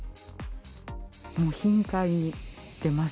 もう頻繁に出ます。